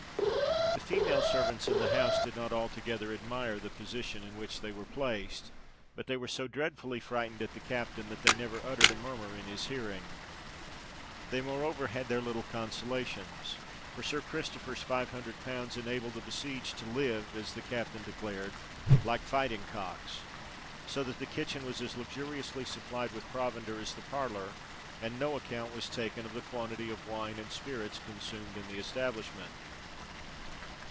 The female servants in the house did not altogether admire the position in which they were placed; but, they were so dreadfully frightened at the captain, that they never uttered a murmur in his hearing. They moreover had their little consolations; for Sir Christopher's five hundred pounds enabled the besieged to live, as the captain declared, "like fighting cocks,"—so that the kitchen was as luxuriously supplied with provender as the parlour; and no account was taken of the quantity of wine and spirits consumed in the establishment.